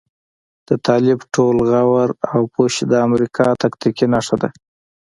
د طالب ټول غور او پش د امريکا تاکتيکي نښه ده.